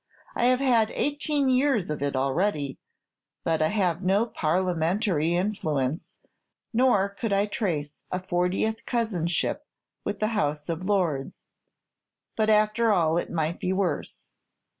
I have had eighteen years of it already; but I have no Parliamentary influence, nor could I trace a fortieth cousinship with the House of Lords; but, after all, it might be worse.